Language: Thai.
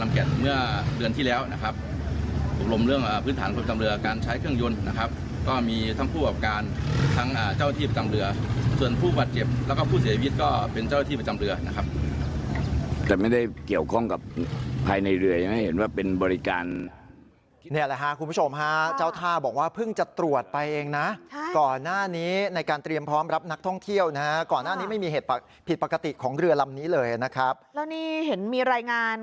นักท่องเที่ยวนักท่องเที่ยวนักท่องเที่ยวนักท่องเที่ยวนักท่องเที่ยวนักท่องเที่ยวนักท่องเที่ยวนักท่องเที่ยวนักท่องเที่ยวนักท่องเที่ยวนักท่องเที่ยวนักท่องเที่ยวนักท่องเที่ยวนักท่องเที่ยวนักท่องเที่ยวนักท่องเที่ยวนักท่องเที่ยวนักท่องเที่ยวนักท่